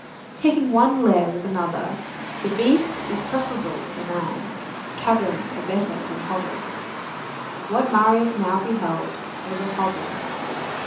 Taking one lair with another, the beast's is preferable to the man's. Caverns are better than hovels. What Marius now beheld was a hovel.